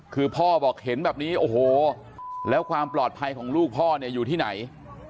คือพ่อบอกเห็นแบบนี้โอ้โหแล้วความปลอดภัยของลูกพ่อเนี่ยอยู่ที่ไหน